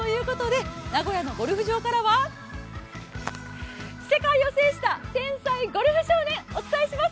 名古屋のゴルフ場からは世界を制した天才ゴルフ少年、お伝えします。